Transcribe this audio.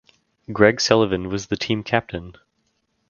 Greg Sullivan was the team captain.